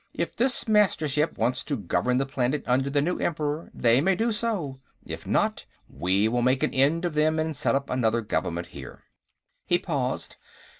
If this Mastership wants to govern the planet under the Emperor, they may do so. If not, we will make an end of them and set up a new government here." He paused.